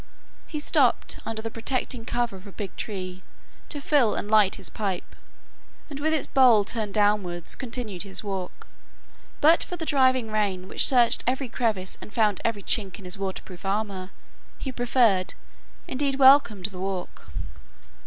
He stopped under the protecting cover of a big tree to fill and light his pipe and with its bowl turned downwards continued his walk. But for the driving rain which searched every crevice and found every chink in his waterproof armor, he preferred, indeed welcomed, the walk.